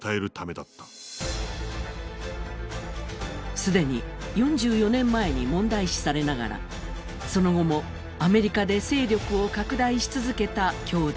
既に４４年前に問題視されながらその後もアメリカで勢力を拡大し続けた教団。